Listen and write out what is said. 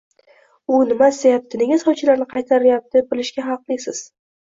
U nima istayapti, nega sovchilarni qaytaryapti bilishga haqlisiz